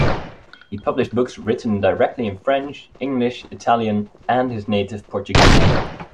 He published books written directly in French, English, Italian, and his native Portuguese.